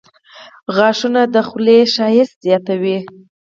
• غاښونه د خولې ښکلا زیاتوي.